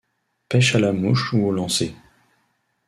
Pêche à la mouche ou au lancer.